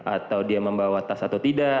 atau dia membawa tas atau tidak